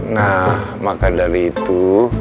nah maka dari itu